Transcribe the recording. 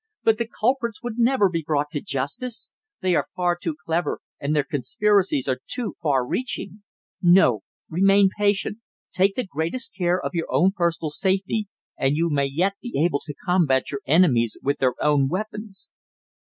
But the culprits would never be brought to justice. They are far too clever, and their conspiracies are too far reaching. No, remain patient. Take the greatest care of your own personal safety and you may yet be able to combat your enemies with their own weapons."